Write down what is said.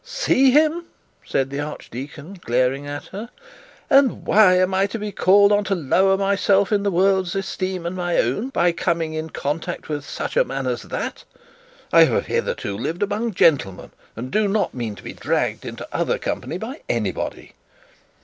Poor Eleanor! 'See him,' said the archdeacon, glaring at her; 'and why am I be called on to lower myself in the world's esteem an my own by coming in contact with such a man as that? I have hitherto lived among gentlemen, and do not mean to be dragged into other company by anybody.'